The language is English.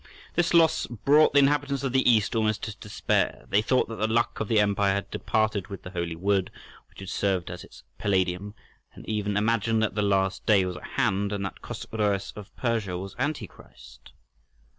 This loss brought the inhabitants of the East almost to despair; they thought that the luck of the empire had departed with the Holy Wood, which had served as its Palladium, and even imagined that the Last Day was at hand and that Chosroës of Persia was Antichrist.